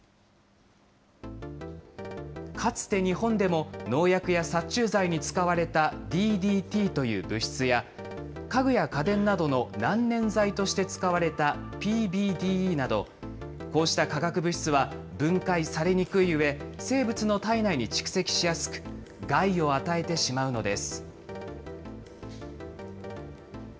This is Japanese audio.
かつて日本でも農薬や殺虫剤に使われたＤＤＴという物質や、家具や家電などの難燃剤として使われたＰＢＤＥなど、こうした化学物質は分解されにくいうえ、生物の体内に蓄積しやすく、害を与えてしまうのです。